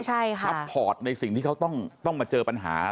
พัพพอร์ตในสิ่งที่เขาต้องมาเจอปัญหา